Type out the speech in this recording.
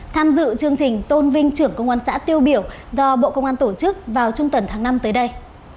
tham dự chương trình tôn vinh trưởng công an xã tiêu biểu do bộ công an tổ chức vào trung tuần tháng năm tới đây